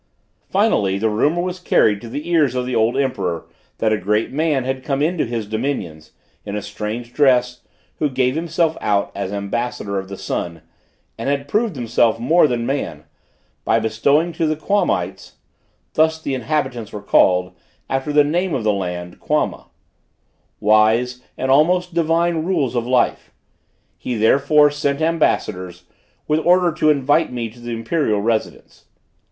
Finally the rumor was carried to the ears of the old emperor, that a great man had come into his dominions, in a strange dress, who gave himself out as ambassador of the sun, and had proved himself more than man, by bestowing to the Quamites (thus the inhabitants were called, after the name of the land, Quama,) wise and almost divine rules of life. He therefore sent ambassadors, with orders to invite me to the imperial residence.